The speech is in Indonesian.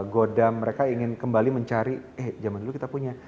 goda mereka ingin kembali mencari eh zaman dulu kita punya